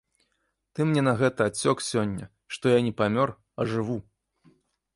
Ты мне на гэта адсек сёння, што я не памёр, а жыву!